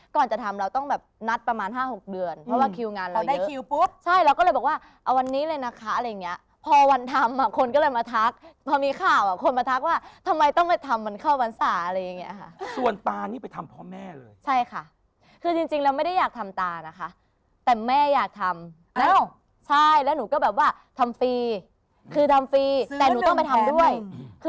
ก่อนจะทำเราต้องแบบนัดประมาณ๕๖เดือนเพราะว่าคิวงานเราเคลียร์